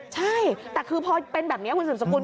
ใช่แต่คือพอเป็นแบบนี้คุณสืบสกุล